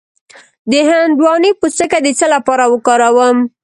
د هندواڼې پوستکی د څه لپاره وکاروم؟